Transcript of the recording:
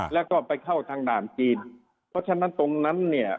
แล้วก็ไปเข้าทางด่านจีนเพราะฉะนั้นตรงนั้นเนี่ย